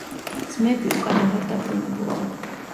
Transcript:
ძმები უკან აღარ დაბრუნებულან.